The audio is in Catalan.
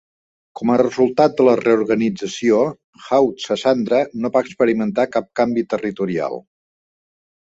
Com a resultat de la reorganització, Haut-Sassandra no va experimentar cap canvi territorial.